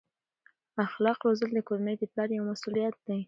اخلاق روزل د کورنۍ د پلار یوه مسؤلیت ده.